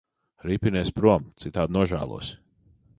Ripinies prom, citādi nožēlosi.